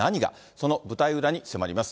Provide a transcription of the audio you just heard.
その舞台裏に迫ります。